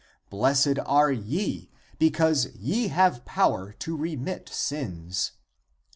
Blessed are ye, be cause ye have power to remit sins.